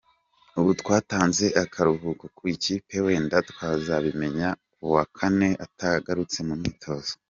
Ubu twatanze akaruhuko ku ikipe wenda twazabimenya kuwa Kane atagarutse mu myitozo.